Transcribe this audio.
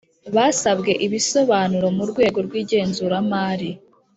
Basabwwe ibisobanuro mu rwego rw’ igenzuramari